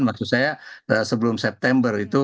maksud saya sebelum september itu